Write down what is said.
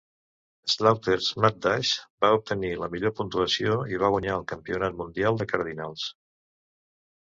"Slaughter's Mad Dash" va obtenir la millor puntuació i va guanyar el campionat mundial de Cardinals.